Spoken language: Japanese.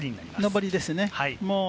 上りですね。